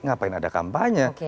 ngapain ada kampanye